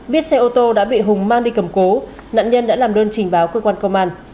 biết xe ô tô đã bị hùng mang đi cầm cố nạn nhân đã làm đơn trình báo cơ quan công an